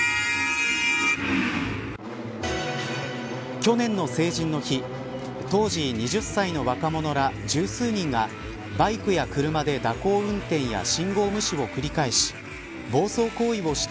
去年の成人の日当時２０歳の若者ら十数人がバイクや車で蛇行運転や信号無視を繰り返し暴走行為をした